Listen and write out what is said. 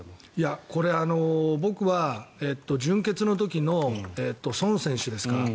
これ、僕は準決の時のソン選手ですか。